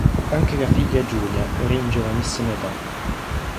Anche la figlia Giulia morì in giovanissima età.